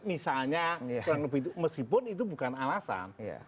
misalnya orang lebih mesipun itu bukan alasan